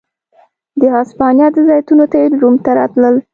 د هسپانیا د زیتونو تېل روم ته راتلل